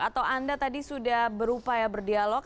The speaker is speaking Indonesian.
atau anda tadi sudah berupaya berdialog